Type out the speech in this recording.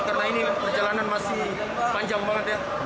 karena ini perjalanan masih panjang banget ya